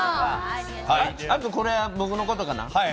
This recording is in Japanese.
あとこれは僕のことかな。